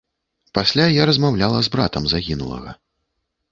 Пасля я размаўляла з братам загінулага.